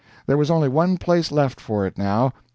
There was only one place left for it now.